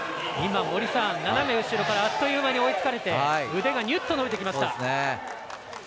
斜め後ろからあっという間に追いつかれて腕がにゅっと伸びてきました。